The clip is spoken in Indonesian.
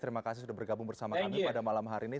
terima kasih sudah bergabung bersama kami pada malam hari ini